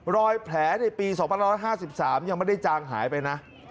รอยแผลในปี๒๕๕๓ยังไม่ได้จางหายไปนะ